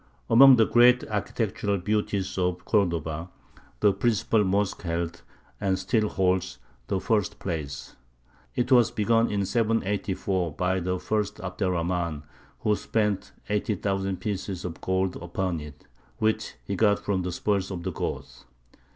] Among the great architectural beauties of Cordova, the principal mosque held, and still holds, the first place. It was begun in 784 by the first Abd er Rahmān, who spent 80,000 pieces of gold upon it, which he got from the spoils of the Goths.